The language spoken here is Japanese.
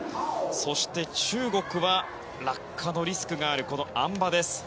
そして、中国は落下のリスクがあるあん馬です。